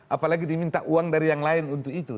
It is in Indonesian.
apalagi diminta uang dari yang lain untuk itu